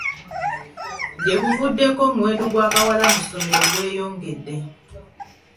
Gye buvuddeko omuwendo gw'abawala mu ssomero gweyongedde.